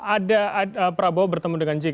ada prabowo bertemu dengan jk